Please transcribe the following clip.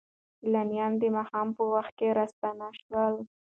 سیلانیان د ماښام په وخت کې راستانه شول.